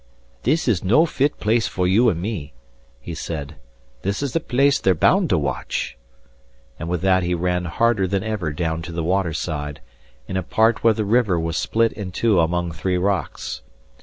"This is no fit place for you and me," he said. "This is a place they're bound to watch." And with that he ran harder than ever down to the water side, in a part where the river was split in two among three rocks.